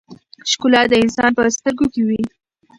ښکلا د انسان په سترګو کې وي.